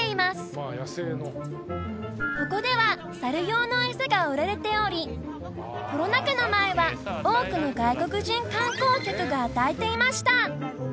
ここでは猿用のエサが売られておりコロナ禍の前は多くの外国人観光客が与えていました